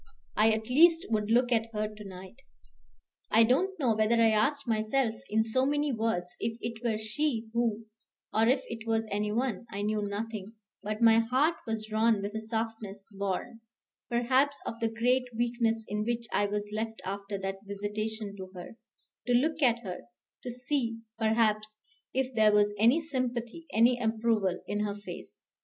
I at least would look at her to night. I don't know whether I asked myself, in so many words, if it were she who or if it was any one I knew nothing; but my heart was drawn with a softness born, perhaps, of the great weakness in which I was left after that visitation to her, to look at her, to see, perhaps, if there was any sympathy, any approval in her face.